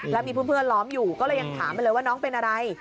แล้วมีเพื่อนล้อมอยู่ก็เลยยังถามไปเลยว่าน้องเป็นอะไร